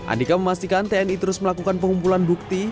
andika memastikan tni terus melakukan pengumpulan bukti